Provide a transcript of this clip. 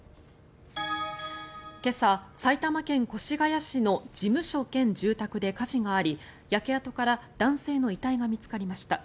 今朝、埼玉県越谷市の事務所兼住宅で火事があり焼け跡から男性の遺体が見つかりました。